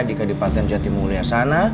di kedepatan jati mulia sana